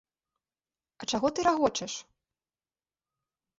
А чаго ты рагочаш?